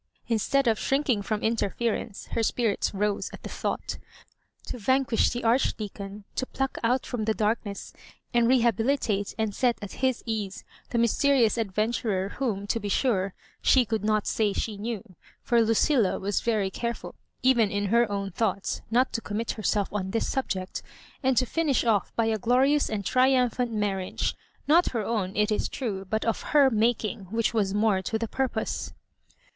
Instead of shrinking from interference, her spirits rose at the thought To vanquish the Archdea con, to pluck out from the darkness, and rehabili tate and set at his ease the mysterious adventu rer, whom, to be sure, she could not say she knew — for Lucilla was very careful, even in her own thoughts, not to commit herself on this subject — and to finish off by a glorious and triumphant marriage — hot her own, it is true, but of her mak ing, which was more to the purpose.